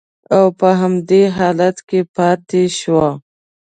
او په همدې حالت کې پاتې شوه